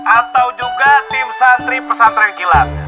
atau juga tim santri pesantren kilat